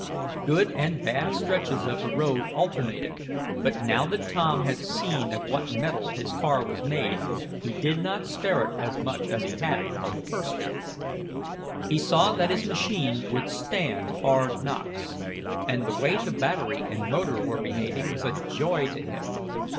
Good and bad stretches of the road alternated, but now that Tom had seen of what mettle his car was made, he did not spare it as much as he had on the first trip. He saw that his machine would stand hard knocks, and the way the battery and motor was behaving was a joy to him.